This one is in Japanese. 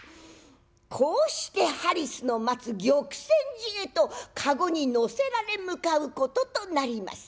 こうしてハリスの待つ玉泉寺へと駕籠に乗せられ向かうこととなります。